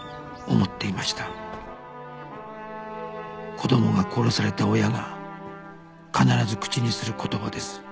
子供が殺された親が必ず口にする言葉です